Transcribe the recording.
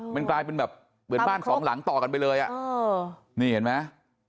มันกลายเป็นแบบเหมือนบ้านสองหลังต่อกันไปเลยอ่ะนี่เห็นไหม